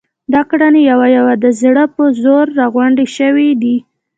دا ګړنی یوه یوه د زړه په زور را غونډې شوې دي.